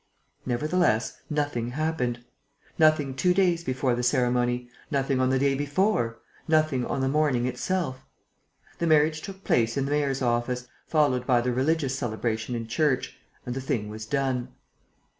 Nevertheless, nothing happened: nothing two days before the ceremony, nothing on the day before, nothing on the morning itself. The marriage took place in the mayor's office, followed by the religious celebration in church; and the thing was done.